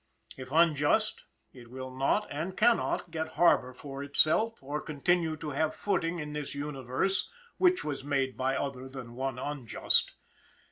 If unjust, it will not and cannot get harbour for itself, or continue to have footing in this Universe, which was made by other than One Unjust.